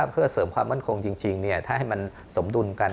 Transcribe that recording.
เพื่อเสริมความมั่นคงจริงถ้าให้มันสมดุลกัน